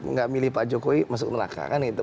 nggak milih pak jokowi masuk neraka kan gitu